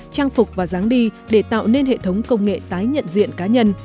trang phục và dáng đi để tạo nên hệ thống công nghệ tái nhận diện cá nhân